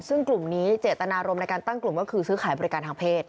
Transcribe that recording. ซึ่งกลุ่มนี้เจตนารมณ์ในการตั้งกลุ่มก็คือซื้อขายบริการทางเพศ